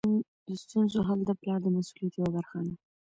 د ستونزو حل د پلار د مسؤلیت یوه برخه ده.